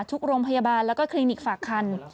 ทุกโรงพยาบาลแล้วก็คลินิกฝากคัน